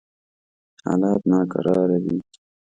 حالات ناکراره دي.